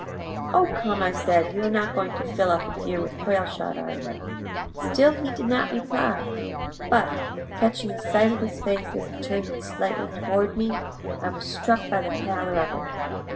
"'O, come!' I said. 'You are not going to fill up a deer with quail shot, are you?' "Still he did not reply; but, catching a sight of his face as he turned it slightly toward me, I was struck by the pallor of it.